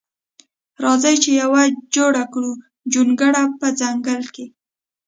راخه چی یوه جوړه کړو جونګړه په ځنګل کی.